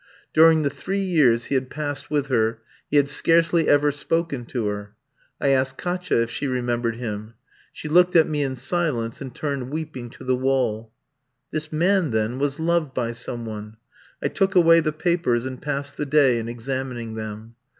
During the three years he had passed with her, he had scarcely ever spoken to her. I asked Katia if she remembered him. She looked at me in silence, and turned weeping to the wall. This man, then, was loved by some one! I took away the papers, and passed the day in examining them.